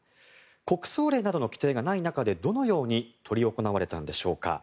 国葬令などの規定がない中でどのように執り行われたんでしょうか。